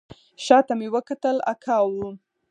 شا ته مې وکتل اکا و.